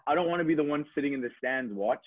itu sesuatu yang khusus